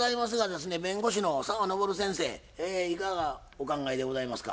いかがお考えでございますか？